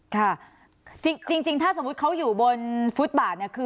ค่ะจริงถ้าสมมุติเขาอยู่บนฟุตบาทเนี่ยคือ